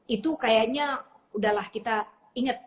itu kayaknya udah lah kita inget